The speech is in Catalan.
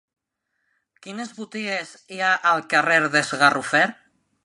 Quines botigues hi ha al carrer dels Garrofers?